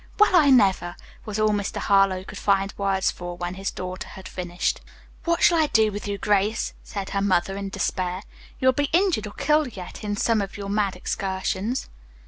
"Well, I never!" was all Mr. Harlowe could find words for when his daughter had finished. "What shall I do with you, Grace?" said her mother in despair. "You will be injured or killed yet, in some of your mad excursions."